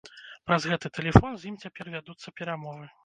Праз гэты тэлефон з ім цяпер вядуцца перамовы.